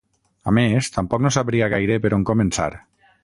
A més, tampoc no sabria gaire per on començar.